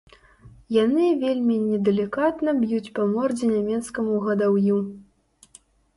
Яны вельмі недалікатна б'юць па мордзе нямецкаму гадаўю.